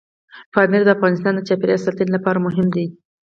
پامیر د افغانستان د چاپیریال ساتنې لپاره مهم دي.